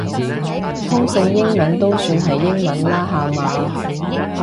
通勝英文都算係英文啦下嘛